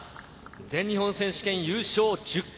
全日本選手権優勝１０回。